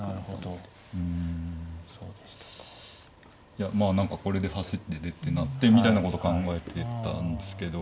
いやまあ何かこれで走って出て成ってみたいなこと考えてたんですけど。